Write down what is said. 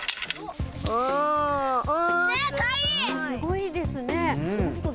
すごいですね。